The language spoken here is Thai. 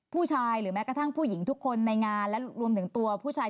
ผู้ชายหรือแม้กระทั่งผู้หญิงทุกคนในงานและรวมถึงตัวผู้ชาย